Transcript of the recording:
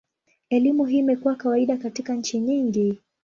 Elimu hii imekuwa kawaida katika nchi nyingi.